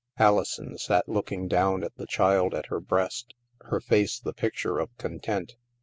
Alison sat looking down at the child at her breast, her face the picture of content.